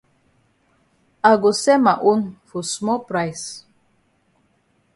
I go sell ma own for small price.